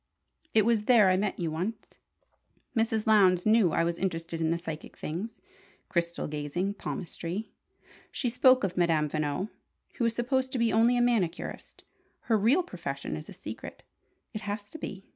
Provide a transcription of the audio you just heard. It was there I met you once. Mrs. Lowndes knew I was interested in the psychic things: crystal gazing, palmistry. She spoke of Madame Veno, who is supposed to be only a manicurist. Her real profession is a secret. It has to be!